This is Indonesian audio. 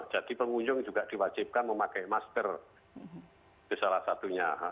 jadi pengunjung juga diwajibkan memakai masker itu salah satunya